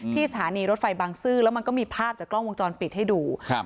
สถานีรถไฟบางซื่อแล้วมันก็มีภาพจากกล้องวงจรปิดให้ดูครับ